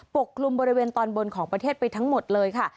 กลุ่มบริเวณตอนบนของประเทศไปทั้งหมดเลยค่ะ